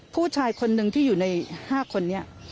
ผู้ชายคนหนึ่งที่อยู่ใน๕คนนี้